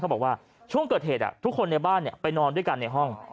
บอกว่าช่วงเกิดเหตุทุกคนในบ้านไปนอนด้วยกันในห้อง